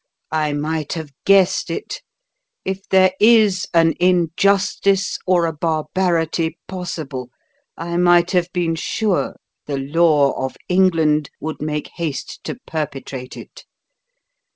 I might have guessed it. If there IS an injustice or a barbarity possible, I might have been sure the law of England would make haste to perpetrate it.